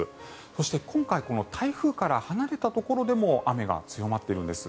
そして、今回台風から離れたところでも雨が強まっているんです。